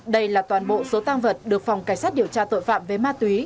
đây là toàn bộ số tăng vật được phòng cảnh sát điều tra tội phạm về ma túy